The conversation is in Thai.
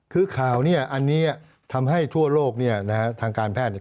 คือข่าวอันนี้ทำให้ทั่วโลกทางการแพทย์